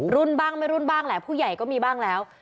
รุ่นบ้างไม่รุ่นบ้างแหละผู้ใหญ่ก็มีบ้างแล้ว